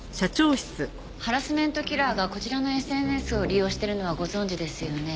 ハラスメントキラーがこちらのＳＮＳを利用してるのはご存じですよね？